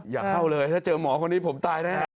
อย่าเข้าเลยถ้าเจอหมอคนนี้ผมตายแน่